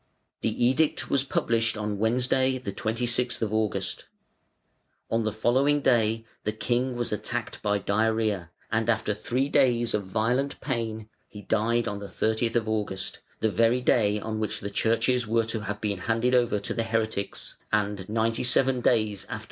The edict was published on Wednesday the 26th of August. On the following day the King was attacked by diarrœa, and after three days of violent pain he died on the 30th of August, the very day on which the churches were to have been handed over to the heretics and ninety seven days after the death of the Pope.